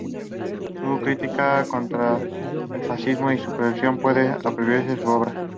Su crítica contra el fascismo y sus peligros puede apreciarse en su obra.